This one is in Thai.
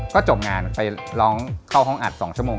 ก็จบงานไปร้องเข้าห้องอัด๒ชั่วโมง